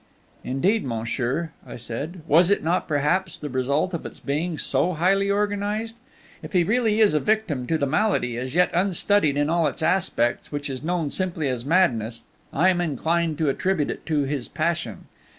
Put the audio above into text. "Indeed, monsieur," said I, "was it not perhaps the result of its being so highly organized? If he really is a victim to the malady as yet unstudied in all its aspects, which is known simply as madness, I am inclined to attribute it to his passion.